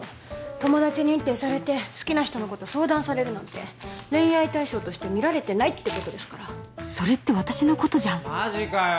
友達認定されて好きな人のこと相談されるなんて恋愛対象として見られてないってことですからそれって私のことじゃんマジかよ